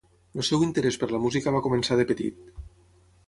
El seu interès per la música va començar de petit.